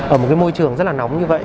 ở một cái môi trường rất là nóng như vậy